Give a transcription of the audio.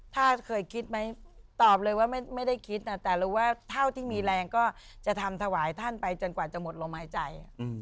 ถ้าเคยคิดไหมตอบเลยว่าไม่ได้คิดนะแต่รู้ว่าเท่าที่มีแรงก็จะทำถวายท่านไปจนกว่าจะหมดลมหายใจ